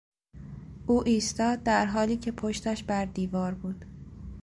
او ایستاد در حالی که پشتش بر دیوار بود.